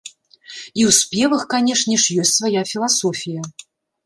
І ў спевах, канечне ж, ёсць свая філасофія.